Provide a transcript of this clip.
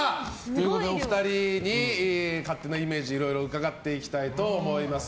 お二人に勝手なイメージいろいろ伺っていきたいと思います。